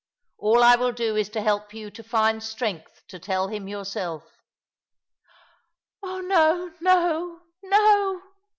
All I will do is to help you to find strength to tell him yourself." " Oh no, no, no